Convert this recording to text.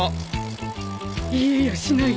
言えやしない。